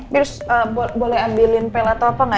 mir boleh ambilin pel atau apa gak